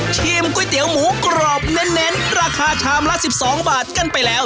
ก๋วยเตี๋ยวหมูกรอบเน้นราคาชามละ๑๒บาทกันไปแล้ว